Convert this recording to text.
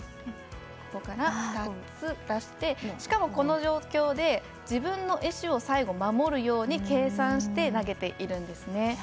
２つ出して、この状況で自分の石を最後守るように計算して投げているんですね。